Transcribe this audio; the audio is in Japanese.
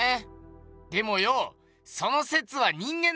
でもよその説は人間の説だろ？